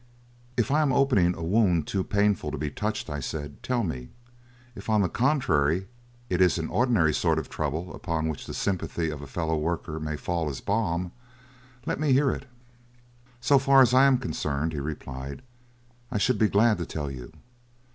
"If I am opening a wound too painful to be touched," I said, "tell me. If, on the contrary, it is an ordinary sort of trouble upon which the sympathy of a fellow worker may fall as balm, let me hear it." "So far as I am concerned," he replied, "I should be glad to tell you.